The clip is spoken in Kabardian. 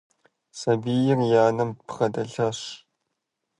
Сабийр и анэм бгъэдэлъэдащ.